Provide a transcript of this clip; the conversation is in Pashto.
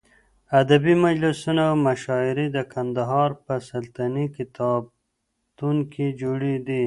ادبي مجلسونه او مشاعرې د قندهار په سلطنتي کتابتون کې جوړېدې.